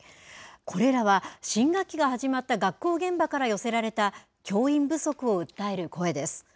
これらは、新学期が始まった学校現場から寄せられた、教員不足を訴える声です。